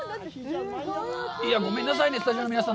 ごめんなさいね、スタジオの皆さん。